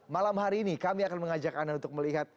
malam hari ini kami akan mengajak anda untuk melihat